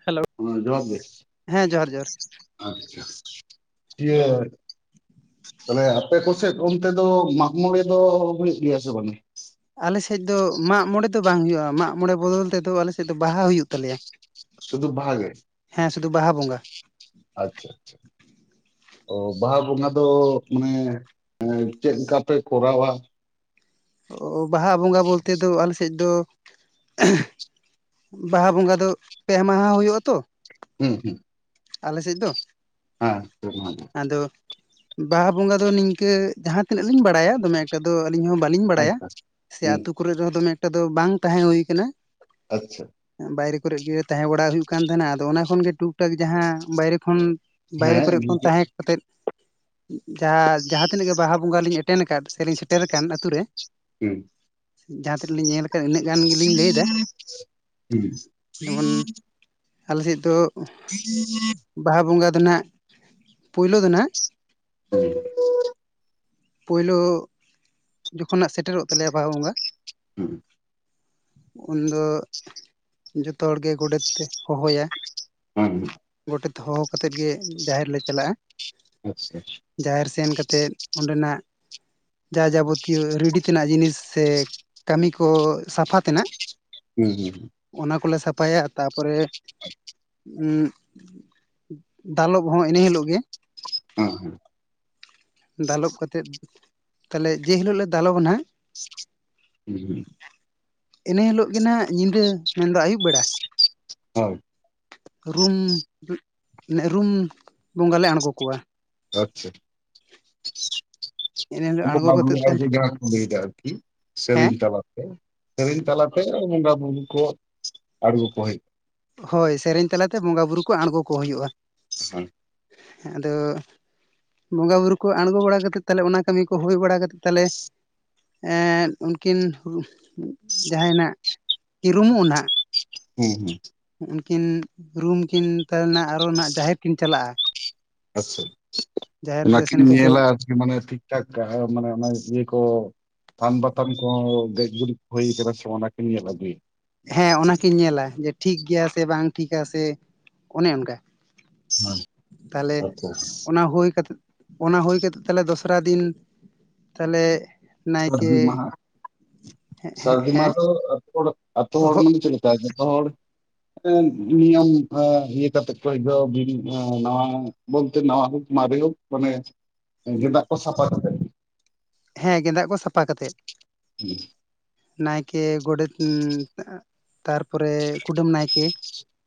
Hello ᱦ ᱡᱵᱫᱮᱥ ᱦᱮᱸ ᱡᱚᱦᱟᱨ ᱡᱚᱦᱟᱨ ᱟᱪᱪᱷᱟ ᱛᱟᱦᱞᱮ ᱟᱯᱮ ᱠᱚᱥᱮᱫ ᱚᱱᱛᱮ ᱫᱚ ᱢᱟᱜᱽ ᱢᱚᱬᱮ ᱫᱚ ᱦᱩᱭᱩᱜ ᱜᱮᱭᱟ ᱥᱮ ᱵᱟᱝ? ᱟᱞᱮ ᱥᱮᱫ ᱫᱚ ᱢᱟᱜᱽ ᱢᱚᱬᱮ ᱫᱚ ᱵᱟᱝ ᱦᱩᱭᱩᱜᱼᱟ ᱢᱟᱜ ᱢᱚᱬᱮ ᱵᱚᱫᱚᱞ ᱛᱮᱫᱚ ᱟᱞᱮ ᱥᱮᱫ ᱫᱚ ᱵᱟᱦᱟ ᱦᱩᱭᱩᱜ ᱛᱟᱞᱮᱭᱟ᱾ ᱥᱩᱫᱩ ᱵᱟᱦᱟ ᱜᱮ ᱦᱮᱸ ᱥᱩᱫᱷᱩ ᱵᱟᱦᱟ ᱵᱚᱸᱜᱟ ᱟᱪᱪᱷᱟ ᱟᱪᱪᱷᱟ ᱚ ᱵᱟᱦᱟ ᱵᱚᱸᱜᱟ ᱫᱚ ᱢᱟᱱᱮ ᱪᱮᱫ ᱞᱮᱠᱟ ᱯᱮ ᱠᱚᱨᱟᱣᱟ? ᱚ ᱵᱟᱦᱟ ᱵᱚᱸᱜᱟ ᱵᱚᱞᱛᱮ ᱫᱚ ᱟᱞᱮ ᱥᱮᱫ ᱫᱚ ᱵᱟᱦᱟ ᱵᱚᱸᱜᱟ ᱫᱚ ᱯᱮ ᱢᱟᱦᱟ ᱦᱩᱭᱩᱜᱼᱟ ᱛᱚ ᱦᱩᱸ ᱦᱩᱸ ᱟᱞᱮ ᱥᱮᱫ ᱫᱚ ᱦᱮᱸ ᱟᱫᱚ ᱵᱟᱦᱟ ᱵᱚᱸᱜᱟ ᱫᱚ ᱱᱤᱝᱠᱟᱹ ᱡᱟᱦᱟᱸ ᱛᱤᱱᱟᱹᱜ ᱞᱤᱧ ᱵᱟᱲᱟᱭᱟ ᱫᱚᱢᱮᱠ ᱮᱠᱴᱟ ᱫᱚ ᱟᱹᱞᱤᱧ ᱦᱚᱸ ᱵᱟᱹᱞᱤᱧ ᱵᱟᱲᱟᱭᱟ ᱟᱪᱪᱷᱟ ᱥᱮ ᱦᱩᱸ ᱟᱹᱛᱩ ᱠᱚᱨᱮᱜ ᱨᱮᱦᱚᱸ ᱫᱚᱢᱮ ᱮᱠᱴᱟ ᱫᱚ ᱵᱟᱝ ᱛᱟᱦᱮᱸ ᱦᱩᱭ ᱠᱟᱱᱟ᱾ ᱟᱪᱪᱷᱟ ᱵᱟᱭᱨᱮ ᱠᱚᱨᱮᱜ ᱜᱮ ᱛᱟᱦᱮᱸ ᱵᱟᱲᱟ ᱦᱩᱭᱩᱜ ᱠᱟᱱ ᱛᱟᱦᱮᱱᱟ ᱟᱫᱚ ᱚᱱᱟ ᱠᱷᱚᱱᱜᱮ ᱴᱩᱠ ᱴᱟᱠ ᱡᱟᱦᱟᱸ ᱵᱟᱭᱨᱮ ᱠᱷᱚᱱ ᱵᱟᱭᱨᱮ ᱦᱮᱸ ᱠᱚᱨᱮ ᱠᱷᱚᱱ ᱱᱤᱡᱮ ᱛᱟᱦᱮᱸ ᱠᱟᱛᱮᱫ ᱡᱟᱦᱟᱸ ᱡᱟᱦᱟᱸ ᱛᱤᱱᱟᱹᱜ ᱜᱮ ᱵᱟᱦᱟ ᱵᱚᱸᱜᱟ ᱞᱤᱧ ᱮᱴᱠ ᱮᱴᱮᱱ ᱟᱠᱟᱫ ᱥᱮ ᱞᱤᱧ ᱥᱮᱴᱮᱨ ᱟᱠᱟᱱ ᱟ ᱟᱹᱛᱩᱳ ᱨᱮ ᱦᱩᱸ ᱡᱟᱦᱟᱸ ᱛᱤᱱᱟᱹᱜ ᱞᱤᱧ ᱧᱮᱞ ᱟᱠᱟᱜᱼᱟ ᱩᱱᱟᱹᱜ ᱜᱟᱱ ᱜᱮ ᱞᱤᱧ ᱞᱟᱹᱭᱫᱟ ᱦᱩᱸ ᱡᱮᱢᱚᱱ ᱟᱞᱮ ᱥᱮᱫ ᱫᱚ ᱦᱮᱸ ᱵᱟᱦᱟ ᱵᱚᱸᱜᱟ ᱫᱚ ᱱᱟᱜ, ᱯᱩᱭᱞᱩ ᱫᱚ ᱱᱟᱜ ᱦᱩᱸ ᱯᱩᱭᱭᱞᱳ ᱡᱚᱠᱷᱚᱱᱟᱜ ᱥᱮᱴᱮᱨᱚᱜ ᱛᱟᱞᱮᱭᱟ ᱵᱟᱦᱟ ᱵᱚᱸᱜᱟ ᱦᱩᱸ ᱩᱱᱫᱚ ᱡᱚᱛᱚ ᱦᱚᱲ ᱜᱮ ᱜᱚᱰᱮᱛ ᱮ ᱦᱚᱦᱚᱭᱟ ᱦᱮᱸ ᱦᱩᱸ ᱜᱚᱴᱮᱛ ᱦᱚᱦᱚ ᱠᱟᱛᱮᱫ ᱜᱮ ᱡᱟᱦᱮᱨ ᱞᱮ ᱪᱟᱞᱟᱜᱼᱟ ᱟᱪᱪᱷᱟ ᱡᱟᱦᱮᱨ ᱥᱮᱱ ᱠᱟᱛᱮᱫ ᱚᱸᱰᱮᱱᱟᱜ ᱡᱟ ᱡᱟᱵᱚᱛᱤᱭᱟᱹ ᱨᱮᱰᱤ ᱛᱮᱱᱟᱜ ᱡᱤᱱᱤᱥ ᱥᱮ ᱠᱟᱹᱢᱤ ᱠᱚ ᱥᱟᱯᱷᱟ ᱛᱮᱱᱟᱜ ᱦᱩᱸ ᱦᱩᱸᱸ ᱚᱱᱟ ᱠᱚᱞᱮ ᱥᱟᱯᱷᱟᱭᱟ ᱛᱟᱨᱯᱚᱨᱮ ᱪ ᱫᱟᱞᱚᱵ ᱦᱚᱸ ᱤᱱᱟᱹ ᱦᱤᱞᱳᱜ ᱜᱮ ᱦᱮᱸ ᱦᱮᱸ ᱫᱟᱞᱚᱵ ᱠᱟᱛᱮᱜ ᱛᱟᱦᱚᱞᱮ ᱡᱮ ᱦᱤᱞᱳᱜ ᱞᱮ ᱫᱟᱞᱚᱵᱟ ᱱᱟᱜ ᱦᱩᱸ ᱤᱱᱟᱹ ᱦᱤᱞᱳᱜ ᱜᱮ ᱱᱟᱦᱟᱜ ᱧᱤᱫᱟᱹ ᱢᱮᱱᱫᱚ ᱟᱹᱭᱩᱵ ᱵᱮᱲᱟ ᱦᱳᱭ ᱨᱩᱢ ᱨᱩᱢ ᱵᱚᱸᱜᱟ ᱞᱮ ᱟᱬᱜᱚ ᱠᱚᱣᱟ᱾ ᱟᱪᱪᱷᱟ [inaudible] ᱮᱱ ᱦᱤᱞᱳᱜ ᱟᱬᱜᱚ ᱠᱟᱛᱮᱫ ᱛᱟᱦᱚᱞᱮ [unintelligible] ᱡᱟᱦᱟᱸ ᱠᱚ ᱞᱟᱹᱭᱫᱟ ᱟᱨ ᱠᱤ ᱦᱮᱸ ᱥᱮᱨᱮᱧ ᱛᱟᱞᱟ ᱛᱮ ᱥᱮᱨᱮᱧ ᱛᱟᱞᱟᱛᱮ ᱵᱚᱸᱜᱟ ᱵᱩᱨᱩ ᱠᱚ ᱟᱬᱜᱚ ᱠᱚ ᱦᱩᱭᱩᱜ ᱦᱳᱭ ᱥᱮᱨᱮᱧ ᱛᱟᱞᱟ ᱛᱮ ᱵᱚᱸᱜᱟ ᱵᱩᱨᱩ ᱠᱚ ᱟᱬᱜᱚ ᱠᱚ ᱦᱩᱭᱩᱜᱼᱟ ᱦᱮᱸ ᱦᱮᱸ ᱟᱫᱚ ᱵᱚᱸᱜᱟ ᱵᱩᱨᱩ ᱠᱚ ᱟᱬᱜᱚ ᱵᱟᱲᱟ ᱠᱟᱛᱮ ᱛᱟᱦᱚᱞᱮ ᱚᱱᱟ ᱠᱟᱹᱢᱤ ᱠᱚ ᱦᱩᱭ ᱵᱟᱲᱟ ᱠᱟᱛᱮ ᱛᱟᱦᱚᱞᱮ ᱩᱱᱠᱤᱱ ᱡᱟᱦᱟᱸᱭ ᱱᱟᱜ ᱠᱤ ᱨᱩᱢᱩᱜ ᱱᱟᱦᱟᱜ ᱦᱩᱸ ᱦᱩᱸ ᱩᱱᱠᱤᱱ ᱨᱩᱢ ᱠᱤᱱ ᱛᱟᱦᱚᱞᱮ ᱱᱟᱜ ᱟᱨ ᱦᱚᱸ ᱱᱟᱜ ᱡᱟᱦᱮᱨ ᱠᱤᱱ ᱪᱟᱞᱟᱜᱼᱟ ᱟᱪᱪᱷᱟ, ᱡᱟᱦᱮᱨ ᱚᱱᱟ ᱨᱮ ᱠᱤᱱ ᱥᱮᱱ ᱠᱟᱛᱮᱫ ᱧᱮᱞᱟ ᱢᱟᱱᱮ ᱴᱷᱤᱠ ᱴᱷᱟᱠ ᱢᱟᱱᱮ ᱚᱱᱟ ᱤᱭᱟᱹ ᱠᱚ ᱛᱷᱟᱱ ᱵᱟᱛᱷᱟᱱ ᱠᱚ ᱦᱚᱸ ᱜᱮᱡ ᱜᱩᱨᱤᱡ ᱦᱩᱭ ᱟᱠᱟᱱᱟ ᱥᱮ ᱵᱟᱝ ᱚᱱᱟ ᱠᱤᱱ ᱧᱮᱞ ᱟᱹᱜᱩᱭᱟ ᱦᱮᱸ ᱚᱱᱟᱠᱤᱱ ᱧᱮᱞᱟ ᱡᱮ ᱴᱷᱤᱠ ᱜᱮᱭᱟ ᱥᱮ ᱵᱟᱝ ᱴᱷᱤᱠᱟ ᱥᱮ ᱚᱱᱮ ᱚᱱᱠᱟ ᱛᱟᱦᱚᱞᱮ ᱚᱱᱟ ᱦᱩᱭ ᱠᱟᱛᱮ ᱚᱱᱟ ᱦᱩᱭ ᱠᱟᱛᱮᱫ ᱛᱟᱦᱚᱞᱮ ᱫᱚᱥᱨᱟ ᱫᱤᱱ ᱛᱟᱦᱚᱞᱮ ᱱᱟᱭᱠᱮ ᱥᱟᱹᱨᱫᱤ ᱢᱟᱦᱟ ᱥᱟᱹᱨᱫᱤ ᱦᱮᱸ ᱢᱟᱦᱟ ᱫᱚ ᱟᱛᱩ ᱦᱚᱲ ᱦᱚᱜ ᱢᱟᱱᱮ ᱪᱮᱫ ᱞᱮᱠᱟ ᱡᱚᱛᱚ ᱦᱚᱲ ᱱᱤᱭᱚᱢ ᱤᱭᱟᱹ ᱠᱟᱛᱮ ᱠᱚ ᱵᱤᱱ ᱱᱟᱣᱟ ᱵᱚᱞᱛᱮ ᱱᱟᱣᱟ ᱦᱳᱠ ᱢᱟᱨᱮ ᱦᱳᱠ ᱢᱟᱱᱮ ᱜᱮᱸᱫᱟᱜ ᱠᱚ ᱥᱟᱯᱷᱟ ᱠᱟᱛᱮ ᱦᱮᱸ ᱜᱮᱸᱫᱟᱜ ᱠᱚ ᱥᱟᱯᱷᱟ ᱠᱟᱛᱮᱜ ᱦᱩᱸ ᱱᱟᱭᱠᱮ ᱜᱚᱰᱮᱛ ᱛᱟᱨ ᱯᱚᱨᱮ ᱠᱩᱰᱟᱹᱢ ᱱᱟᱭᱠᱮ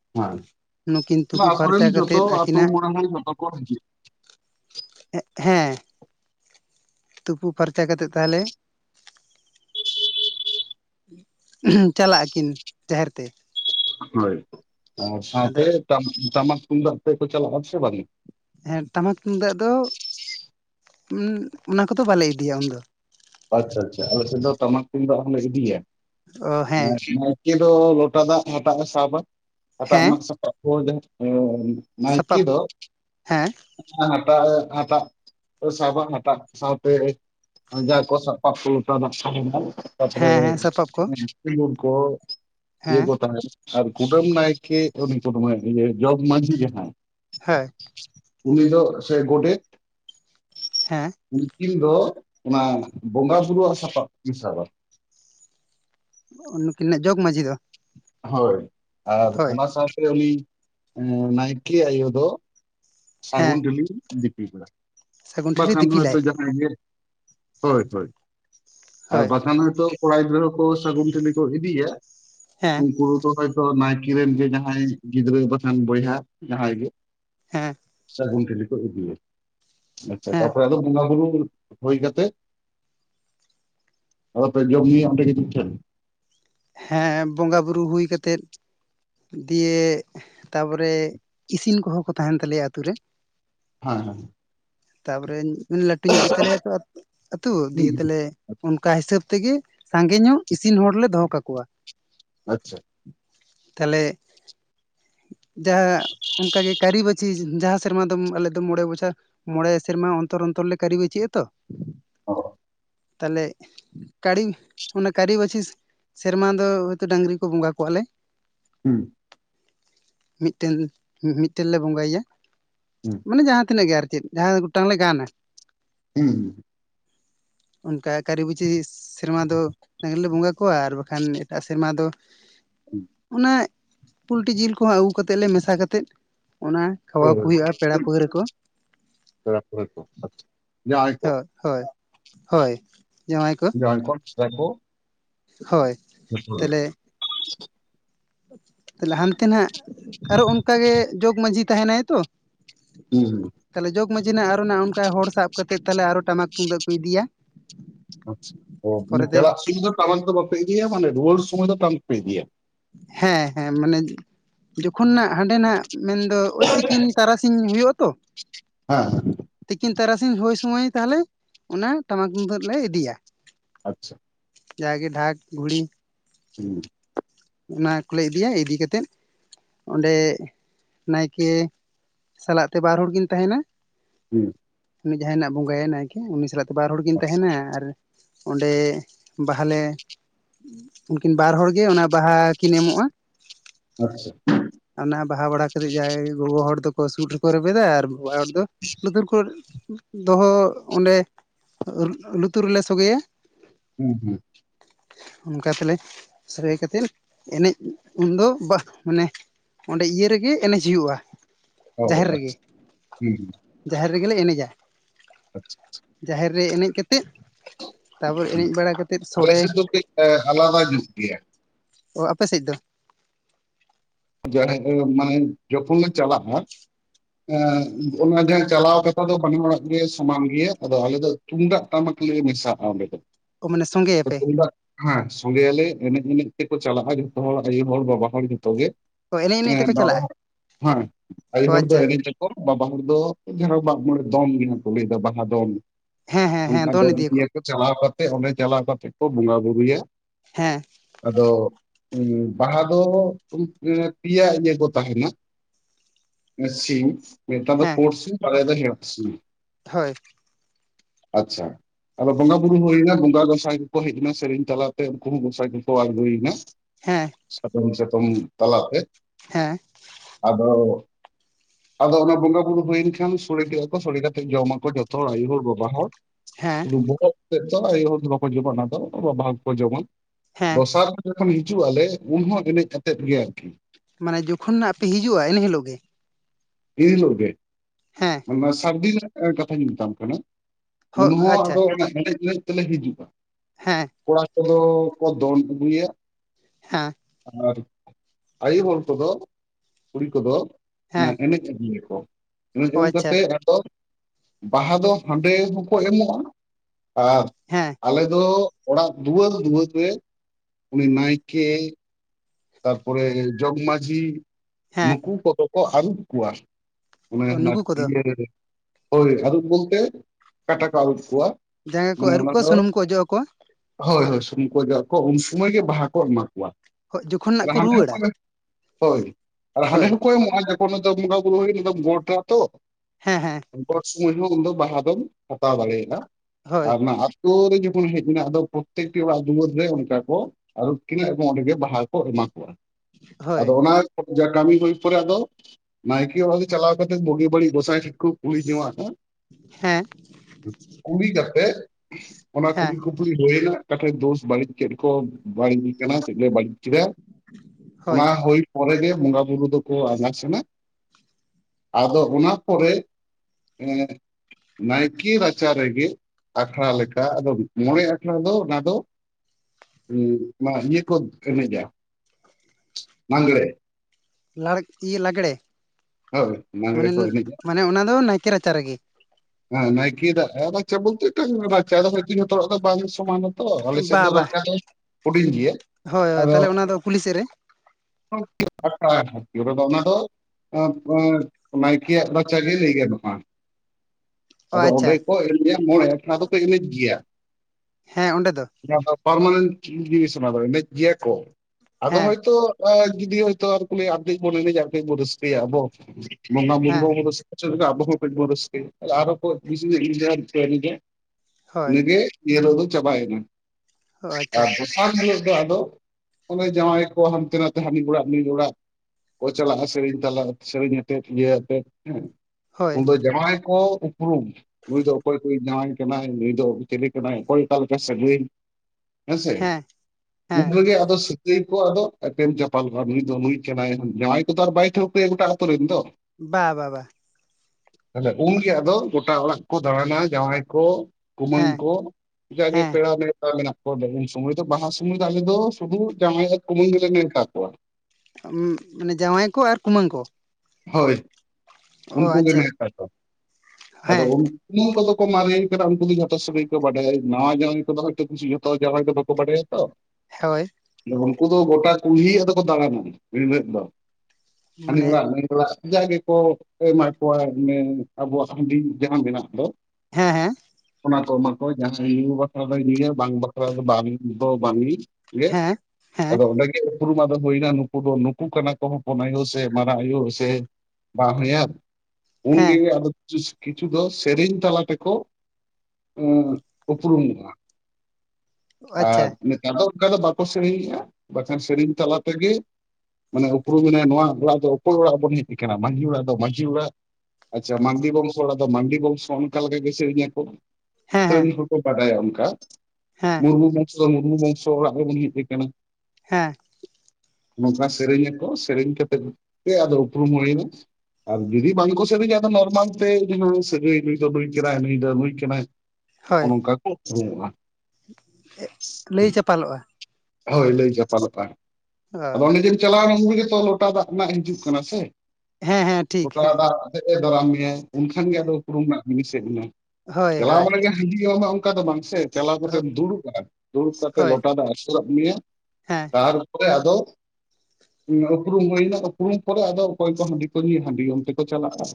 ᱦᱮᱸ ᱱᱩᱠᱤᱱ ᱛᱩᱯᱩ ᱟᱛᱳ ᱨᱮᱱ ᱯᱷᱟᱨᱪᱟ ᱡᱚᱛᱚ ᱠᱟᱛᱮᱫ ᱟᱛᱳ ᱟᱹᱠᱤᱱᱟᱜ ᱢᱚᱬᱮ ᱦᱚᱲ ᱡᱚᱛᱚ ᱠᱚ ᱦᱤᱡᱩᱜᱼᱟ ᱦᱮᱸ ᱛᱩᱯᱩ ᱯᱷᱟᱨᱪᱟ ᱠᱟᱛᱮᱫ ᱛᱟᱦᱚᱞᱮ ᱪᱟᱞᱟᱜ ᱟᱹᱠᱤᱱ ᱡᱟᱦᱮᱨ ᱛᱮ ᱦᱳᱭ ᱟᱨ ᱥᱟᱶᱛᱮ ᱟᱫᱚ ᱛᱟᱢᱟᱠ ᱛᱩᱢᱫᱟᱜ ᱟᱛᱮ ᱠᱚ ᱪᱟᱞᱟᱜ ᱟᱥᱮ ᱵᱟᱝᱼᱟ ᱦᱮᱸ ᱴᱟᱢᱟᱠ ᱛᱩᱢᱫᱟᱜ ᱫᱚ ᱚᱱᱟ ᱠᱚᱫᱚ ᱵᱟᱞᱮ ᱤᱫᱤᱭᱟ ᱩᱱᱫᱚ ᱟᱪᱪᱷᱟ ᱟᱪᱪᱷᱟ ᱟᱞᱮ ᱥᱮᱫ ᱫᱚ ᱴᱟᱢᱟᱠ ᱛᱩᱢᱫᱟᱜ ᱦᱚᱸᱞᱮ ᱤᱫᱤᱭᱟ, ᱚ ᱦᱮᱸ ᱱᱟᱭ ᱼᱼᱠᱮ ᱫᱚ ᱞᱚᱴᱟ ᱫᱟᱜ ᱦᱟᱴᱟᱜ ᱮ ᱥᱟᱵᱟ ᱦᱟᱴᱟᱜ ᱦᱮᱸ ᱨᱮᱱᱟᱜ ᱥᱟᱯᱟᱵ ᱠᱚ ᱡᱟᱦᱟᱸ ᱠᱚ ᱢᱟᱭᱠᱮ ᱥᱟᱯᱟᱵ ᱫᱚ ᱠᱚ ᱦᱮᱸ ᱦᱟᱴᱟᱜ ᱦᱟᱴᱟᱜ ᱠᱚ ᱥᱟᱵᱟ ᱦᱟᱴᱟᱜ ᱥᱟᱶᱛᱮ ᱡᱟ ᱠᱚ ᱥᱟᱯᱟᱵ ᱠᱚ ᱞᱚᱴᱟᱫᱟᱜ [unintelligible] ᱦᱮᱸ ᱛᱟᱯᱚᱨᱮ ᱦᱮᱸ ᱥᱟᱯᱟᱵ ᱠᱚ [unintelligible] ᱠᱚ ᱤᱭᱟᱹ ᱦᱮᱸ ᱠᱚ ᱛᱟᱦᱮᱱ ᱟᱨ ᱠᱩᱰᱟᱹᱢ ᱱᱟᱭᱠᱮ ᱩᱱᱤ ᱠᱩᱴᱩᱢ ᱡᱚᱜᱽ ᱢᱟᱡᱷᱤ ᱡᱟᱦᱟᱸᱭ ᱦᱮᱸ ᱩᱱᱤ ᱫᱚ ᱥᱮ ᱜᱳᱰᱮᱛ ᱦᱮᱸ ᱩᱱᱠᱤᱱ ᱫᱚ ᱚᱱᱟ ᱵᱚᱸᱜᱟ ᱵᱩᱨᱩᱣᱟᱜ ᱥᱟᱯᱟᱵ ᱠᱤᱱ ᱥᱟᱵᱟ ᱱᱩᱠᱤᱱᱟᱜ ᱡᱚᱜᱽ ᱢᱟᱡᱷᱤ ᱫᱚ ᱦᱳᱭ ᱟᱨ ᱦᱳᱭ ᱚᱱᱟ ᱥᱟᱶᱛᱮ ᱩᱱᱤ ᱱᱟᱭᱠᱮ ᱟᱭᱳ ᱫᱚ ᱦᱮᱸ ᱥᱟᱹᱜᱩᱱ ᱴᱮᱞᱤ ᱫᱤᱯᱤᱞᱟ, ᱥᱟᱹᱜᱩᱱ ᱴᱷᱤᱞᱤ ᱵᱟᱠᱷᱟᱱ ᱫᱚ ᱫᱤᱯᱤᱞᱟᱭ ᱦᱚᱭᱛᱚ ᱡᱟᱦᱟᱭ ᱜᱮ ᱦᱳᱭ ᱦᱳᱭ ᱟᱨ ᱦᱳᱭ ᱵᱟᱠᱷᱟᱱ ᱦᱚᱭᱛᱚ ᱠᱚᱲᱟ ᱜᱤᱫᱽᱨᱟᱹ ᱠᱚ ᱥᱟᱹᱜᱩᱱ ᱴᱷᱤᱞᱤ ᱠᱚ ᱤᱫᱤᱭᱟ, ᱦᱮᱸ ᱩᱱᱠᱩ [unintelligible] ᱫᱚ ᱱᱟᱭᱠᱮ ᱨᱮᱱ ᱜᱮ ᱡᱟᱦᱟᱸᱭ ᱜᱤᱫᱽᱨᱟᱹ ᱵᱟᱠᱷᱟᱱ ᱵᱚᱭᱦᱟ ᱡᱟᱦᱟᱸᱭ ᱜᱮ ᱦᱮᱸ ᱥᱟᱹᱜᱩᱱ ᱴᱷᱤᱞᱤ ᱠᱚ ᱤᱫᱤᱭᱟ ᱟᱪᱪᱷᱟ ᱦᱮᱸ ᱛᱟᱯᱚᱨᱮ ᱟᱫᱚ ᱵᱚᱸᱜᱟ ᱵᱩᱨᱩ ᱦᱳᱭ ᱠᱟᱛᱮ, ᱟᱫᱚ ᱯᱮ ᱡᱚᱢ ᱧᱩᱭᱟ ᱚᱸᱰᱮ ᱜᱮ ᱢᱤᱫ ᱴᱷᱮᱱ ᱦᱮᱸ ᱵᱚᱸᱜᱟ ᱵᱩᱨᱩ ᱦᱩᱭ ᱠᱟᱛᱮᱫ ᱫᱤᱭᱮ ᱛᱟᱯᱚᱨᱮ ᱤᱥᱤᱱ ᱠᱚᱦᱚᱸ ᱠᱚ ᱛᱟᱦᱮᱱ ᱛᱟᱞᱮᱭᱟ ᱟᱹᱛᱩ ᱨᱮ ᱦᱮᱸ ᱦᱮᱸ ᱛᱟᱯᱚᱨᱮ ᱞᱟᱹᱴᱩ ᱧᱚᱜ ᱜᱮᱛᱟᱞᱮᱭᱟᱛᱚ ᱟᱹᱛᱩ ᱫᱤᱭᱮ ᱦᱩᱸ ᱦᱩᱸ ᱛᱟᱞᱮ ᱚᱱᱠᱟ ᱦᱤᱥᱟᱹᱵ ᱛᱮᱜᱮ ᱥᱟᱸᱜᱮ ᱧᱚᱜ ᱤᱥᱤᱱ ᱦᱚᱲᱞᱮ ᱫᱚᱦᱚ ᱠᱟᱠᱚᱣᱟ ᱟᱪᱪᱷᱟ ᱛᱟᱞᱮ ᱡᱟᱦᱟᱸ ᱚᱱᱠᱟᱜᱮ ᱠᱟᱹᱨᱤᱵᱟᱹᱪᱷᱤ ᱡᱟᱦᱟᱸ ᱥᱮᱨᱢᱟ ᱫᱚ ᱟᱞᱮ ᱫᱚ ᱢᱚᱬᱮ ᱵᱚᱪᱷᱟ ᱢᱚᱬᱮ ᱥᱮᱨᱢᱟ ᱚᱱᱛᱚᱨ ᱚᱱᱛᱚᱨ ᱞᱮ ᱠᱟᱹᱨᱤ ᱵᱟᱹᱪᱤᱜᱼᱟᱛᱚ ᱚ ᱛᱟᱦᱚᱞᱮ ᱠᱟᱹᱲᱤ ᱚᱱᱟ ᱠᱟᱹᱨᱤ ᱵᱟᱹᱪᱷᱤ ᱥᱮᱨᱢᱟ ᱫᱚ ᱦᱚᱭᱛᱚ ᱰᱟᱝᱨᱤ ᱠᱚ ᱵᱚᱸᱜᱟ ᱠᱚᱣᱟ ᱞᱮ ᱦᱮᱸ ᱢᱤᱫᱴᱮᱱ ᱢᱤᱫᱴᱮᱱ ᱞᱮ ᱵᱚᱸᱜᱟᱭᱮᱭᱟ ᱦᱩᱸ ᱢᱟᱱᱮ ᱡᱟᱦᱟᱸ ᱛᱤᱱᱟᱹᱜ ᱜᱮ ᱟᱨ ᱪᱮᱫ ᱡᱟᱦᱟᱸᱜ ᱜᱚᱴᱟᱝ ᱞᱮ ᱜᱟᱱᱟ ᱦᱩᱸ ᱚᱱᱠᱟ ᱠᱟᱹᱨᱤᱵᱟᱪᱤ ᱥᱮᱨᱢᱟ ᱫᱚ ᱰᱟᱹᱝᱨᱤ ᱞᱮ ᱵᱚᱸᱜᱟ ᱠᱚᱣᱟ ᱟᱨ ᱠᱷᱟᱱ ᱮᱴᱟᱜ ᱥᱮᱨᱢᱟ ᱫᱚ ᱦᱩᱸ ᱚᱱᱟ ᱯᱩᱞᱴᱤ ᱡᱤᱞ ᱠᱚᱦᱚᱸ ᱟᱹᱜᱩ ᱠᱟᱛᱮᱫ ᱞᱮ ᱢᱮᱥᱟ ᱠᱟᱛᱮᱫ ᱚᱱᱟ ᱠᱷᱟᱣᱟᱣ ᱠᱚ ᱦᱳᱭ ᱦᱩᱭᱩᱜᱼᱟ ᱯᱮᱲᱟ ᱯᱟᱹᱦᱲᱟᱹ ᱠᱚ ᱯᱮᱲᱟ ᱯᱟᱹᱲᱦᱟᱹ ᱠᱚ ᱡᱟᱶᱟᱭ ᱠᱚ ᱦᱳᱭ ᱦᱳᱭ ᱦᱳᱭ ᱡᱟᱶᱟᱭ ᱠᱚ [unintelligible] ᱦᱳᱭ ᱡᱚᱛᱚ ᱜᱮ ᱛᱟᱦᱞᱮ ᱛᱟᱦᱞᱮ ᱦᱟᱱᱛᱮ ᱱᱟᱸᱜ ᱟᱨᱚ ᱚᱱᱠᱟᱜᱮ ᱡᱚᱜᱽ ᱢᱟᱹᱡᱷᱤ ᱛᱟᱦᱮᱱᱟᱭ ᱛᱚ ᱦᱩᱸ ᱦᱩᱸ ᱛᱟᱦᱚᱞᱮ ᱡᱚᱜᱽ ᱢᱟᱹᱡᱷᱤ ᱱᱟᱜ ᱟᱨᱚ ᱱᱟᱜ ᱚᱱᱠᱟ ᱦᱚᱲ ᱥᱟᱵ ᱠᱟᱛᱮᱫ ᱛᱟᱦᱞᱮ ᱟᱨᱚ ᱴᱟᱢᱟᱠ ᱛᱩᱢᱫᱟᱹᱜ ᱠᱚ ᱤᱫᱤᱭᱟ [unintelligible] ᱯᱚᱨᱮᱛᱮ ᱪᱟᱞᱟᱜ ᱥᱩᱢᱟᱹᱭ ᱫᱚ ᱴᱟᱢᱟᱠ ᱫᱚ ᱵᱟᱯᱮ ᱤᱫᱤᱭᱟ ᱢᱟᱱᱮ ᱨᱩᱣᱟᱹᱲ ᱥᱩᱢᱟᱹᱭ ᱫᱚ ᱴᱟᱢᱟᱠ ᱯᱮ ᱤᱫᱤᱭᱟ ᱦᱮᱸ ᱦᱮᱸ ᱢᱟᱱᱮ ᱡᱚᱠᱷᱚᱱ ᱱᱟᱜ ᱦᱟᱸᱰᱮᱱᱟᱜ ᱢᱮᱱᱫᱚ ᱳᱭ ᱛᱤᱠᱤᱱ ᱛᱟᱨᱟ [unintelligible] ᱦᱳᱭᱳᱜᱼᱟᱛᱚ ᱦᱮᱸ ᱛᱤᱠᱤᱱ ᱛᱟᱨᱟᱥᱤᱧ ᱦᱳᱭ ᱥᱩᱢᱟᱹᱭ ᱛᱟᱦᱞᱮ ᱚᱱᱟ ᱴᱟᱢᱟᱠ ᱛᱩᱢᱫᱟᱜ ᱞᱮ ᱤᱫᱤᱭᱟ ᱟᱪᱪᱷᱟ ᱡᱟᱜᱮ ᱰᱷᱟᱠ ᱜᱷᱩᱲᱤ ᱦᱩᱸ ᱩᱱᱟ ᱠᱚᱞᱮ ᱤᱫᱤᱭᱟ ᱤᱫᱤ ᱠᱟᱛᱮᱫᱼᱼ ᱚᱸᱰᱮᱜ ᱱᱟᱭᱠᱮ ᱥᱟᱞᱟᱜ ᱛᱮ ᱵᱟᱨ ᱦᱚᱲᱠᱤᱱ ᱛᱟᱦᱮᱱᱟ ᱦᱩᱸ ᱩᱱᱤ ᱡᱟᱦᱟᱸᱭ ᱱᱟᱜ ᱵᱚᱸᱜᱟᱭ-ᱟᱭ ᱱᱟᱭᱠᱮ ᱩᱱᱤ ᱥᱟᱞᱟᱜ ᱛᱮ ᱵᱟᱨ ᱦᱚᱲ ᱠᱤᱱ ᱛᱟᱦᱮᱸᱱᱟ ᱟᱨᱼᱼ ᱚᱸᱰᱮ ᱵᱟᱦᱟᱞᱮ, ᱩᱱᱠᱤᱱ ᱵᱟᱨ ᱦᱚᱲ ᱜᱮ ᱚᱱᱟᱼᱼ ᱟᱠᱤᱱ ᱮᱢᱚᱜᱼᱟ ᱟᱪᱪᱷᱟ ᱚᱱᱟ ᱵᱟᱦᱟ ᱵᱟᱲᱟ ᱠᱟᱛᱮ ᱡᱟᱜᱮ ᱜᱚᱜᱚ ᱦᱚᱲ ᱠᱚᱫᱚ ᱥᱩᱫᱽ ᱨᱮᱠᱚ ᱨᱮᱵᱮᱫᱟ ᱟᱨᱼᱼ [unintelligible] ᱦᱚᱲ ᱫᱚ ᱞᱩᱛᱩᱨ ᱠᱚᱨᱮ ᱫᱚᱦᱚ ᱚᱸᱰᱮ ᱚᱨ ᱞᱩᱛᱩᱨ ᱨᱮᱞᱮ ᱥᱚᱜᱮᱭᱟ ᱦᱩᱸ ᱦᱩᱸ ᱚᱱᱠᱟ ᱛᱮᱞᱮ [unintelligible] ᱠᱟᱛᱮ ᱪᱮᱫ ᱮᱱᱮᱡ ᱩᱱᱫᱚ ᱵᱟ ᱢᱟᱱᱮ ᱚᱸᱰᱮ ᱤᱭᱟᱹ ᱨᱮᱜᱮ ᱮᱱᱮᱡ ᱦᱩᱭᱩᱜᱼᱟ ᱚ ᱡᱟᱦᱮᱨ ᱟᱪᱪᱷᱟ ᱨᱮᱜᱮ, ᱦᱩᱸ ᱡᱟᱦᱮᱨ ᱨᱮᱜᱮ ᱞᱮ ᱮᱱᱮᱡᱟ ᱟᱪᱪᱷᱟ ᱟᱪᱪᱷᱟ ᱡᱟᱦᱮᱨ ᱨᱮ ᱮᱱᱮᱡ ᱠᱟᱛᱮᱼᱼ ᱠᱟᱛᱮᱫ ᱟᱞᱮ ᱥᱚᱲᱮ ᱥᱮᱪ ᱫᱚ ᱠᱟᱹᱪ ᱮᱸ ᱟᱞᱟᱫᱟ ᱧᱚᱜ ᱜᱮᱭᱟ ᱚᱻ ᱟᱯᱮ ᱥᱮᱪ ᱫᱚ ᱡᱟᱦᱟᱸᱱᱟᱜ ᱜᱮ ᱢᱟᱱᱮ ᱡᱚᱠᱷᱚᱱ ᱞᱮ ᱪᱟᱞᱟᱜᱼᱟ ᱦᱮᱸ ᱚᱱᱟᱜᱮ ᱪᱟᱞᱟᱣ ᱠᱟᱛᱷᱟ ᱫᱚ ᱵᱟᱱᱟ ᱦᱚᱲᱟᱜ ᱜᱮ ᱥᱚᱢᱟᱱ ᱜᱮᱭᱟ ᱟᱫᱚ ᱟᱞᱮ ᱫᱚᱼᱼ ᱛᱩᱢᱫᱟᱜ ᱛᱟᱢᱟᱠ ᱞᱮ ᱢᱮᱥᱟᱣᱟᱜᱼᱟ ᱚᱸᱰᱮ ᱫᱚ ᱚ ᱢᱟᱱᱮ ᱥᱮ ᱥᱚᱸᱜᱮᱭᱟᱯᱮ ᱛᱩᱸᱢᱼᱼ ᱦᱮᱸ ᱥᱚᱸᱜᱮᱭᱟᱞᱮ ᱮᱱᱮᱡᱽ ᱮᱱᱮᱡᱽ ᱛᱮᱠᱚ ᱪᱟᱞᱟᱜᱼᱟ ᱡᱚᱛᱚ ᱦᱚᱲ ᱟᱭᱳ ᱦᱚᱲ, ᱵᱟᱵᱟ ᱦᱚᱲ, ᱡᱚᱛᱚ ᱜᱮ ᱚ ᱮᱱᱮᱡ ᱮᱱᱮᱡ ᱦᱮᱸ ᱛᱮᱠᱚ ᱵᱟᱵᱟ ᱪᱟᱞᱟᱜᱼᱟ ᱦᱚᱲ ᱦᱮᱸ ᱟᱭᱚ ᱚ ᱦᱚᱲ ᱫᱚ ᱟᱪᱪᱷᱟ ᱮᱼᱼ ᱠᱚ ᱵᱟᱵᱟ ᱦᱚᱲ ᱫᱚ ᱡᱟᱦᱟᱸ ᱢᱟᱜ ᱢᱚᱬᱮ ᱫᱚᱱ ᱜᱮ ᱠᱚ ᱞᱟᱹᱭᱫᱟ ᱵᱟᱦᱟ ᱫᱚᱱᱼᱼ ᱦᱮᱸ ᱦᱮᱸ ᱚᱱᱠᱟ ᱦᱮᱸ ᱫᱚ ᱫᱚᱱ ᱤᱫᱤᱭᱟᱠᱚ ᱨᱩᱭᱟᱠᱚ ᱪᱟᱞᱟᱣ ᱠᱟᱛᱮ ᱚᱸᱰᱮ ᱪᱟᱞᱟᱣ ᱠᱟᱛᱮᱜ ᱠᱚ ᱵᱚᱸᱜᱟ ᱵᱩᱨᱩᱭᱟ ᱦᱮᱸ ᱟᱫᱚ ᱩᱸ ᱵᱟᱦᱟ ᱫᱚᱼᱼ ᱮᱸ ᱯᱮᱭᱟ ᱤᱭᱟᱹ ᱠᱚ ᱛᱟᱸᱦᱮᱱᱟ ᱮᱸ ᱥᱤᱢ ᱢᱤᱫᱴᱟᱱ ᱫᱚ ᱦᱮᱸ ᱯᱩᱲ ᱥᱤᱢ ᱵᱟᱨᱭᱟ ᱫᱚ ᱦᱮᱲᱟᱜ ᱥᱤᱢ ᱦᱳᱭ ᱟᱪᱪᱷᱟ ᱟᱫᱚ ᱵᱚᱸᱜᱟ ᱵᱩᱨᱩ ᱦᱩᱭᱱᱟ ᱵᱚᱸᱜᱟ ᱜᱚᱸᱥᱟᱭ ᱠᱚᱠᱚ ᱦᱮᱡ ᱮᱱᱟ ᱥᱮᱨᱮᱧ ᱛᱟᱞᱟᱛᱮ ᱩᱱᱠᱩ ᱦᱚᱸ ᱜᱚᱸᱥᱟᱭ ᱜᱮ ᱠᱚ ᱟᱸᱬᱜᱚᱭᱮᱱᱟ ᱦᱮᱸ ᱥᱟᱫᱚᱢ ᱪᱟᱛᱚᱢ ᱛᱟᱞᱟᱛᱮ ᱦᱮᱸ ᱟᱫᱚᱼᱼ ᱟᱫᱚ ᱚᱱᱟ ᱵᱚᱸᱜᱟ ᱵᱩᱨᱩ ᱦᱳᱭᱮᱱ ᱠᱷᱟᱱ ᱥᱚᱲᱮ ᱠᱮᱫᱟ ᱠᱚ, ᱥᱚᱲᱮ ᱠᱟᱛᱮ ᱡᱚᱢᱟᱠᱚ ᱡᱚᱛᱚ ᱦᱚᱲ ᱟᱭᱩ ᱦᱚᱲ, ᱵᱟᱵᱟ ᱦᱚᱲ ᱦᱮᱸ ᱥᱩᱫᱷᱩ ᱵᱚᱦᱚᱜ ᱛᱮᱫ ᱫᱚ ᱟᱭᱳ ᱦᱚᱲᱫᱚ ᱵᱟᱠᱚ ᱡᱚᱢᱟ ᱚᱱᱟᱫᱚ ᱵᱟᱵᱟ ᱦᱚᱲ ᱠᱚ ᱡᱚᱢᱟ ᱦᱮᱸ ᱫᱚᱥᱟᱨᱼᱼ ᱡᱚᱠᱷᱚᱱ ᱦᱤᱡᱩᱜ ᱟᱞᱮ ᱩᱱᱦᱚᱸ ᱮᱱᱮᱡ ᱠᱟᱛᱮᱫ ᱜᱮ ᱟᱨᱠᱤ ᱢᱟᱱᱮ ᱡᱚᱠᱷᱚᱱ ᱦᱟᱸᱜ ᱯᱮ ᱦᱤᱡᱩᱜᱼᱟ ᱤᱱᱟᱹ ᱦᱤᱞᱳᱜ ᱜᱮ ᱮᱱᱟᱹ ᱦᱤᱞᱳᱜ ᱜᱮ ᱦᱮᱸ ᱢᱟᱱᱮ ᱥᱟᱨᱫᱤ ᱨᱮᱱᱟᱜ ᱠᱟᱛᱷᱟᱧ ᱢᱮᱛᱟᱢ ᱠᱟᱱᱟ ᱦᱚ ᱩᱱᱦᱚᱸ ᱟᱪᱪᱷᱟ ᱟᱫᱚ ᱮᱱᱮᱡ ᱮᱱᱮᱡ ᱛᱮᱞᱮ ᱦᱤᱡᱩᱜᱼᱟ ᱦᱮᱸ ᱠᱚᱲᱟ ᱠᱚᱫᱚ ᱠᱚ, ᱫᱚᱱ ᱟᱜᱩᱭᱟ ᱦᱮᱸ ᱟᱨᱼᱼ ᱟᱭᱳ ᱦᱚᱲ ᱠᱚᱫᱚ, ᱠᱩᱲᱤ ᱠᱚᱫᱚ, ᱚᱱᱟ ᱦᱮᱸ ᱮᱱᱮᱡᱽ ᱟᱹᱜᱩᱭᱟᱠᱚ ᱩᱱᱤ ᱚ [unintelligible] ᱟᱪᱪᱷᱟ ᱠᱟᱛᱮᱫ ᱟᱫᱚᱼᱼ ᱵᱟᱦᱟ ᱫᱚ ᱦᱟᱸᱰᱮ ᱦᱚᱸᱠᱚ ᱮᱢᱚᱜᱼᱟ ᱟᱨ ᱦᱮᱸ ᱟᱞᱮ ᱫᱚ ᱚᱲᱟᱜ ᱫᱩᱣᱟᱹᱨ ᱫᱩᱣᱟᱹᱨ ᱨᱮ ᱩᱱᱤ ᱱᱟᱭᱠᱮ ᱛᱟᱨᱯᱚᱨᱮ ᱡᱚᱜᱽᱢᱟᱹᱡᱷᱤ ᱦᱮᱸ ᱱᱩᱠᱩ ᱠᱚᱫᱚ ᱠᱚ ᱟᱹᱨᱩᱵ ᱠᱚᱣᱟ ᱚᱱᱮ ᱱᱩᱠᱩ ᱟᱨᱠᱤ ᱠᱚᱫᱚ ᱤᱭᱟᱹ ᱦᱳᱭ ᱟᱨᱩᱵ ᱵᱚᱞᱛᱮ ᱠᱟᱴᱟ ᱠᱚ ᱟᱹᱨᱩᱵ ᱠᱚᱣᱟ ᱡᱟᱸᱜᱟ ᱠᱚ ᱢᱟᱱᱮ ᱟᱹᱨᱩᱵ ᱚᱱᱟ ᱠᱚᱣᱟ ᱫᱚ ᱥᱩᱱᱩᱢ ᱠᱚ ᱚᱡᱚᱜ ᱟᱠᱚᱣᱟ ᱦᱳᱭ ᱦᱳᱭ ᱥᱩᱱᱩᱢ ᱠᱚ ᱚᱡᱚᱜ ᱟᱠᱚ ᱩᱱ ᱥᱩᱢᱟᱹᱭ ᱜᱮ ᱵᱟᱦᱟ ᱠᱚ ᱮᱢᱟ ᱠᱚᱣᱟ ᱦᱳᱡ ᱡᱚᱠᱷᱚᱱ ᱱᱟᱜ ᱟᱨ ᱠᱚ ᱦᱟᱸᱰᱮ ᱨᱩᱣᱟᱹᱲᱼᱟ ᱦᱚᱸᱠᱚ ᱦᱳᱭ ᱟᱨ ᱦᱟᱸᱰᱮ ᱦᱚᱸᱠᱚ ᱮᱢᱚᱜᱼᱟ ᱡᱚᱠᱷᱚᱱ ᱟᱫᱚ ᱵᱚᱸᱜᱟ ᱵᱩᱨᱩ ᱦᱩᱭ ᱟᱫᱚᱢ ᱜᱚᱸᱴ ᱟᱛᱚ ᱦᱮᱸ ᱦᱮᱸ ᱜᱚᱸᱴ ᱥᱚᱢᱚᱭ ᱦᱚᱸ ᱩᱱᱫᱚ ᱫᱚ ᱵᱟᱦᱟ ᱫᱚᱢ ᱦᱟᱛᱟᱣ ᱫᱟᱲᱮᱭᱟᱜᱼᱟ ᱦᱳᱭ ᱟᱨ ᱚᱱᱟ ᱛᱚ ᱡᱚᱠᱷᱚᱱ ᱦᱮᱡ ᱮᱱᱟ ᱟᱫᱚ ᱯᱨᱚᱛᱮᱠᱴᱤ ᱚᱲᱟᱜ ᱫᱩᱣᱟᱹᱨ ᱨᱮ ᱚᱱᱠᱟ ᱠᱚ ᱟᱹᱨᱩᱵ ᱠᱤᱱᱟ ᱚᱰᱮ ᱜᱮ ᱵᱟᱦᱟ ᱠᱚ ᱮᱢᱟ ᱠᱚᱣᱟ ᱦᱳᱭ ᱟᱫᱚ ᱚᱱᱟ ᱠᱟᱹᱢᱤ ᱦᱩᱭ ᱯᱚᱨᱮ ᱟᱫᱚ ᱱᱟᱭᱠᱮ ᱚᱲᱟᱜ ᱜᱮ ᱪᱟᱞᱟᱣ ᱠᱟᱛᱮ ᱵᱩᱜᱤ ᱵᱟᱹᱲᱤᱡ ᱜᱚᱸᱥᱟᱭ ᱴᱷᱮᱪ ᱠᱚ ᱠᱩᱞᱤ ᱡᱚᱜᱟᱜ ᱟ ᱦᱮᱸ ᱠᱩᱞᱤ ᱠᱟᱛᱮ ᱚᱱᱟ ᱠᱩᱞᱤ ᱦᱮᱸ ᱠᱚ ᱠᱩᱞᱤ ᱦᱩᱭᱱᱟ ᱚᱠᱟᱴᱷᱮᱡ ᱫᱳᱥ ᱵᱟᱹᱲᱤᱡ ᱪᱮᱫ ᱠᱚ ᱵᱟᱹᱲᱤᱡ ᱟᱠᱟᱱᱟ ᱪᱮᱫ ᱞᱮ ᱵᱟᱹᱲᱤᱡ ᱠᱮᱫᱟ ᱦᱳᱭ ᱚᱱᱟ ᱦᱩᱭ ᱯᱚᱨᱮᱜ ᱜᱮ ᱵᱚᱸᱜᱟ ᱵᱩᱨᱩ ᱫᱚᱠᱚ ᱟᱡᱷᱟᱥ ᱮᱱᱟ ᱟᱫᱚ ᱚᱱᱟ ᱯᱚᱨᱮ ᱮᱜ ᱱᱟᱭᱠᱮ ᱨᱟᱪᱟ ᱨᱮ ᱜᱮ ᱟᱠᱷᱲᱟ ᱞᱮᱠᱟ ᱟᱫᱚ ᱢᱚᱬᱮ ᱟᱠᱷᱲᱟ ᱫᱚ ᱚᱱᱟ ᱫᱚ ᱢᱟ ᱤᱭᱟᱹ ᱠᱚ ᱮᱱᱮᱡᱟ ᱞᱟᱸᱜᱽᱬᱮ ᱞᱟᱬ ᱤᱭᱟᱹ ᱞᱟᱸᱜᱽᱲᱮ ᱦᱳᱭ ᱞᱟᱜᱽᱲᱮ ᱢᱟᱱᱮ ᱠᱚ ᱮᱱᱮᱡᱟ ᱢᱟᱱᱮ ᱚᱱᱟ ᱫᱚ ᱱᱟᱭᱠᱮ ᱨᱟᱪᱟ ᱨᱮᱜᱮ ᱦᱮᱸ ᱱᱟᱭᱠᱮ ᱫᱟ ᱨᱟᱪᱟ ᱵᱚᱞᱛᱮ ᱢᱤᱫᱴᱟᱝ ᱨᱟᱪᱟ ᱫᱚ ᱦᱚᱭᱠᱤ ᱡᱚᱛᱚ ᱦᱚᱬᱟᱜ ᱫᱚ ᱵᱟᱝ ᱥᱚᱢᱟᱱ ᱚ ᱟᱞᱮ ᱥᱮᱫ ᱵᱟ ᱫᱚ ᱵᱟ ᱨᱟᱪᱟ ᱫᱚ ᱦᱩᱰᱤᱧ ᱜᱮᱭᱟ ᱦᱳᱭ ᱦᱳᱭ ᱟᱫᱚ ᱛᱟᱦᱚᱞᱮ ᱚᱱᱟᱫᱚ ᱠᱩᱞᱦᱤ ᱥᱮᱫ ᱨᱮ ᱚᱱᱟ ᱫᱚ ᱱᱟᱭᱠᱮ ᱟᱜ ᱨᱟᱪᱟ ᱜᱮ ᱠᱟᱱᱟ᱾ ᱚ ᱟᱫᱚ ᱟᱪᱪᱷᱟ ᱚᱸᱰᱮ ᱠᱚ ᱮᱱᱮᱡᱟ ᱢᱚᱬᱮ ᱟᱠᱷᱬᱟ ᱫᱚᱠᱚ ᱮᱱᱮᱡ ᱜᱮᱭᱟ᱾ ᱦᱮᱸ ᱚᱸᱰᱮ ᱫᱚ ᱚᱱᱟ ᱫᱚ ᱯᱟᱨᱢᱟᱱᱮᱱᱴ ᱡᱤᱱᱤᱥ ᱚᱱᱟ ᱫᱚ ᱮᱱᱮᱡ ᱜᱮᱭᱟ ᱠᱚ ᱟᱫᱚ ᱦᱮᱸ ᱦᱚᱭᱛᱚ ᱡᱩᱫᱤ ᱦᱚᱭᱛᱚ ᱟᱨ ᱠᱚ ᱞᱟᱹᱭ ᱟ ᱟᱨᱠᱟᱹᱡ ᱵᱚᱱ ᱮᱱᱮᱡᱟ ᱟᱨᱠᱟᱹᱡ ᱵᱚᱱ ᱨᱟᱹᱥᱠᱟᱹᱭᱟ ᱟᱵᱚ ᱵᱚᱸᱜᱟ ᱢᱩᱨᱢᱩ ᱦᱮᱸ ᱠᱚ ᱨᱟᱹᱥᱠᱟᱹ ᱟᱪᱪᱷᱟ ᱫᱟᱫᱟ ᱟᱵᱚ ᱦᱚ ᱠᱟᱹᱡ ᱵᱚᱱ ᱨᱟᱹᱥᱠᱟᱹᱭᱟ ᱟᱨᱠᱚᱡ ᱦᱳᱭ ᱩᱱᱤ ᱜᱮ ᱮᱭᱟᱹ ᱦᱤᱞᱳᱜ ᱫᱚ ᱪᱟᱵᱟᱭᱮᱱᱟ ᱚ ᱟᱪᱪᱷᱟ ᱟᱨ ᱫᱚᱥᱟᱨ ᱦᱤᱞᱳᱜ ᱫᱚ ᱟᱫᱚ ᱚᱱᱮ ᱡᱟᱶᱟᱭ ᱠᱚ ᱦᱟᱱᱛᱮ ᱱᱟᱛᱮ ᱦᱟᱺᱱᱤ ᱚᱲᱟᱜ ᱱᱤᱭ ᱚᱲᱟᱜ ᱠᱚ ᱪᱟᱞᱟᱜᱼᱟ ᱥᱮᱨᱮᱧ ᱛᱟᱞᱟ ᱥᱮᱨᱮᱧ ᱟᱛᱮᱫ ᱤᱭᱟᱹ ᱟᱛᱮᱫ ᱦᱮᱸ ᱦᱳᱭ ᱩᱱᱫᱚ ᱡᱟᱶᱟᱭ ᱠᱚ ᱦᱩ ᱱᱩᱭ ᱫᱚ ᱚᱠᱚᱭ ᱠᱚᱭᱤᱪ ᱡᱟᱶᱟᱭ ᱠᱟᱱᱟᱭ ᱱᱩᱭ ᱫᱚ ᱪᱮᱞᱮ ᱠᱟᱱᱟᱭ ᱚᱠᱚᱭ ᱚᱠᱟ ᱞᱮᱠᱟ ᱥᱟᱹᱜᱟᱹᱭ ᱦᱮᱸ ᱥᱮ ᱦᱮᱸ ᱩᱱᱨᱮᱜᱮ ᱟᱫᱚ ᱥᱟᱹᱜᱟᱹᱭ ᱠᱚ ᱟᱫᱚ ᱮᱯᱮᱢ ᱪᱟᱯᱟᱞᱼᱟ ᱱᱩᱭ ᱫᱚ ᱱᱩᱭ ᱠᱟᱱᱟᱭ ᱡᱟᱶᱟᱭ ᱠᱚᱫᱚ ᱟᱨ ᱵᱟᱭ ᱴᱷᱟᱹᱶ ᱜᱴᱟ ᱚᱛ ᱠᱚ ᱞᱟᱹᱭ ᱮᱫ ᱫᱚ ᱵᱟ ᱵᱟ ᱵᱟ ᱛᱟᱦᱚᱞᱮ ᱩᱱᱜᱮ ᱟᱫᱚ ᱜᱚᱴᱟ ᱚᱲᱟᱜ ᱠᱚ ᱫᱟᱬᱟᱱᱟ ᱡᱟᱶᱟᱭ ᱠᱚ ᱠᱩᱢᱟᱹᱝ ᱦᱮᱸ ᱠᱚ ᱡᱟᱜᱮ ᱦᱮᱸ ᱯᱮᱲᱟ ᱱᱮᱶᱛᱟ ᱢᱮᱱᱟᱜ ᱠᱚᱣᱟ ᱩᱱ ᱥᱚᱢᱚᱭ ᱫᱚ ᱵᱟᱦᱟ ᱥᱩᱢᱚᱭ ᱟᱞᱮ ᱫᱚ ᱥᱩᱫᱩ ᱡᱟᱶᱟᱭ ᱟᱨ ᱠᱩᱢᱟᱹᱝ ᱜᱮᱞᱮ ᱱᱮᱶᱛᱟ ᱠᱚᱣᱟ ᱾ ᱟᱢ ᱢᱟᱱᱮ ᱡᱟᱶᱟᱭ ᱠᱚ ᱟᱨ ᱠᱩᱢᱟᱹᱝ ᱠᱚ ᱦᱳᱭ ᱚ ᱩᱱᱠᱩ ᱜᱮ ᱟᱪᱪᱷᱟ ᱱᱮᱶᱛᱟ ᱫᱚ ᱟᱫᱚ ᱦᱮᱸ ᱩᱱ ᱩᱱ ᱠᱚᱫᱚ ᱠᱚ ᱢᱟᱨᱮ ᱟᱠᱟᱱᱟ ᱩᱱᱠᱩ ᱫᱚ ᱡᱚᱛᱚ ᱥᱟᱹᱜᱟᱹᱭ ᱠᱚ ᱵᱟᱰᱟᱭᱟ ᱱᱟᱣᱟ ᱡᱟᱶᱟᱭ ᱠᱚᱫᱚ ᱦᱚᱭ ᱛᱚ ᱠᱤᱪᱷᱩ ᱡᱚᱛᱚ ᱡᱟᱶᱟᱭ ᱫᱚ ᱵᱟᱠᱚ ᱵᱟᱰᱟᱭᱟ ᱚ ᱦᱳᱭ ᱩᱱᱠᱩ ᱫᱚ ᱜᱚᱴᱟ ᱠᱩᱞᱦᱤ ᱟ ᱫᱚᱠᱚ ᱫᱟᱬᱟᱱᱟ ᱮᱱᱦᱤᱞᱳᱜ ᱫᱚ ᱦᱟᱹᱱ ᱢᱟᱱᱮ ᱚᱲᱟᱜ ᱱᱟᱹᱭ ᱜᱮᱠᱚ ᱮᱢᱟ ᱠᱚᱣᱟ ᱟᱵᱚᱣᱟᱜ ᱦᱟᱺᱰᱤ ᱡᱟᱦᱟᱸ ᱢᱮᱱᱟᱜ ᱫᱚ ᱦᱮᱸ ᱦᱮᱸ ᱚᱱᱟ ᱠᱚ ᱢᱟᱠᱚ ᱡᱟᱦᱟᱸᱭ ᱧᱩ ᱵᱟᱠᱷᱨᱟ ᱫᱚ ᱱᱤᱭᱟᱹ ᱵᱟᱝ ᱵᱟᱠᱷᱨᱟ ᱫᱚ ᱵᱟᱝ ᱫᱚ ᱵᱟᱝᱜᱤ ᱦᱮᱸ ᱦᱮᱸ ᱟᱫᱚ ᱚᱸᱰᱮ ᱜᱮ ᱩᱯᱨᱩᱢᱟ ᱫᱚ ᱦᱩᱭᱱᱟ ᱱᱩᱠᱩ ᱫᱚ ᱱᱩᱠᱩ ᱠᱟᱱᱟ ᱠᱚ ᱦᱚᱯᱚᱱ ᱟᱭᱩ ᱥᱮ ᱢᱟᱨᱟᱝ ᱟᱭᱳ ᱥᱮ ᱥᱮ ᱵᱟᱝ ᱦᱳᱸᱭᱟ ᱩᱱ ᱦᱮᱸ ᱜᱮ ᱟᱫᱚ ᱠᱤᱪᱷᱩ ᱫᱚ ᱥᱮᱨᱮᱧ ᱛᱟᱞᱟ ᱛᱮᱠᱚ ᱩᱯᱨᱩᱢᱚᱜᱼᱟ ᱟᱪᱪᱷᱟ ᱟᱨ ᱟᱫᱚ ᱚᱱᱠᱟ ᱫᱚ ᱵᱟᱠᱚ ᱥᱮᱨᱮᱧᱮᱫᱼᱟ ᱵᱟᱠᱷᱟᱱ ᱥᱮᱨᱮᱧ ᱛᱟᱞᱟ ᱛᱮᱜᱮ ᱢᱟᱱᱮ ᱩᱯᱨᱩᱢ ᱢᱮᱱᱟᱭ ᱱᱚᱣᱟ ᱚᱲᱟᱜ ᱫᱚ ᱚᱠᱳᱭ ᱚᱲᱟᱜ ᱵᱚᱱ ᱦᱮᱡ ᱟᱠᱟᱱᱟ ᱢᱺᱡᱷᱤ ᱚᱲᱟᱜ ᱫᱚ ᱢᱟᱺᱡᱷᱤ ᱚᱲᱟᱜ ᱟᱪᱷᱟ ᱢᱟᱱᱰᱤ ᱵᱚᱸᱥᱳ ᱚᱲᱟᱜ ᱫᱚ ᱢᱟᱱᱰᱤ ᱵᱚᱸᱥᱳ ᱚᱱᱠᱟ ᱞᱮᱠᱟ ᱜᱮ ᱥᱮ ᱥᱮᱨᱮᱧ ᱟᱠᱚ ᱦᱮᱸ ᱛᱚ ᱦᱮᱸ ᱤᱧ ᱦᱚᱸᱠᱚ ᱵᱟᱰᱟᱭᱟ ᱚᱱᱠᱟ ᱦᱮᱸ ᱢᱩᱨᱢᱩ ᱵᱚᱝᱥᱚ ᱫᱚ ᱢᱩᱨᱢᱩ ᱵᱚᱝᱥᱚ ᱚᱲᱟᱜ ᱨᱮᱵᱚᱱ ᱦᱮᱡ ᱟᱠᱟᱱᱟ ᱦᱮᱸ ᱱᱚᱝᱠᱟ ᱥᱮᱨᱮᱧᱟᱠᱚ ᱥᱮᱨᱮᱧ ᱠᱟᱛᱮ ᱜᱮ ᱟᱫᱚ ᱩᱯᱨᱩᱢ ᱦᱩᱭᱮᱱᱟ᱾ ᱟᱨ ᱡᱩᱫᱤ ᱵᱟᱝᱠᱚ ᱥᱮᱨᱮᱧ ᱠᱷᱟᱱ ᱱᱚᱨᱢᱟᱞ ᱛᱮ ᱥᱟᱹᱜᱟᱹᱭ ᱱᱩᱭ ᱫᱚ ᱱᱩᱭ ᱠᱟᱱᱟᱭ ᱱᱩᱭ ᱫᱚ ᱱᱩᱭ ᱠᱟᱱᱟᱭ ᱦᱳᱭ ᱾ ᱱᱚᱝᱠᱟ ᱠᱚ ᱩᱯᱨᱩᱢ ᱢᱳᱸ ᱟ ᱞᱟᱹᱭ ᱪᱟᱯᱟᱞᱚᱜᱼᱟ ᱦᱳᱭ ᱞᱟᱹᱭ ᱡᱯᱟᱞᱚᱜᱼᱟ ᱚ ᱟᱫᱚ ᱚᱱᱮ ᱡᱮ ᱪᱟᱞᱟᱣ ᱞᱮᱱ ᱜᱮᱛᱚ ᱞᱚᱴᱟ ᱫᱟᱜ ᱨᱮᱱᱟᱜ ᱦᱤᱡᱩᱜ ᱠᱟᱱᱟ ᱥᱮ ᱦᱮᱸ ᱦᱮᱸ ᱴᱷᱤᱠ ᱞᱚᱴᱟ ᱦᱮᱸ ᱫᱟᱜ ᱮ ᱫᱟᱨᱟᱢ ᱢᱮᱭᱟ ᱮᱠᱷᱟᱱ ᱜᱮ ᱟᱫᱚ ᱩᱯᱨᱩᱢ ᱨᱮᱱᱟᱜ ᱡᱤᱱᱤᱥ ᱦᱮᱡ ᱮᱱᱟ ᱦᱳᱭ ᱪᱟᱞᱟᱣ ᱦᱳᱭ ᱢᱟᱱᱮ ᱠᱷᱟ. ᱞᱤ ᱟᱢᱟᱜ ᱚᱱᱠᱟ ᱫᱚ ᱵᱟᱝ ᱥᱮ ᱪᱟᱞᱟᱣ ᱠᱟᱛᱮᱢ ᱫᱩᱲᱩᱵ-ᱟ ᱫᱩᱲᱩᱵ ᱠᱟᱛᱮ ᱦᱳᱭ ᱞᱚᱴᱟ ᱫᱟᱜ ᱮᱮ ᱥᱩᱨ ᱟᱜ ᱢᱮᱭᱟ ᱦᱮᱸ ᱛᱟᱨᱯᱚᱨᱮ ᱟᱫᱚ ᱩᱯᱨᱩᱢ ᱦᱩᱭ ᱮᱱᱟ ᱩᱯᱨᱩᱢ ᱯᱚᱨᱮ ᱟᱫᱚ ᱚᱠᱚᱭ ᱠᱚ ᱦᱟᱸᱰᱤ ᱠᱚ ᱧᱩᱭᱟᱸᱦᱟᱸᱰᱤ ᱚᱱᱛᱮ ᱠᱚ ᱪᱟᱞᱟᱜᱼᱟ